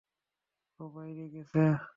ও বাইরে গেছে?